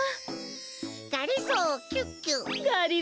がりぞーキュッキュッ。